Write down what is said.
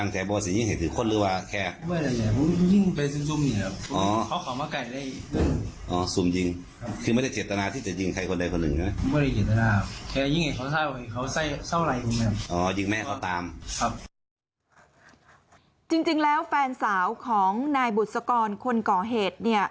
จริงแล้วแฟนสาวของนายบุษกรคนก่อเหตุเนี่ย